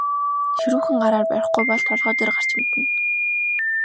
Ширүүхэн гараар барихгүй бол толгой дээр гарч мэднэ.